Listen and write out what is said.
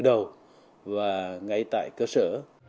đầu và ngay tại cơ sở